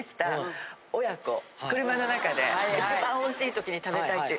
車の中で一番おいしい時に食べたいっていう。